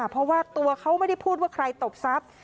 เพราะว่าตัวเขาไม่ได้พูดว่าใครตบทรัพย์